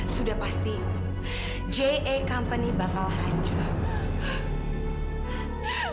sudah pasti j a company bakal hancur